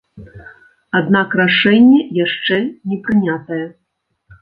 Аднак рашэнне яшчэ не прынятае.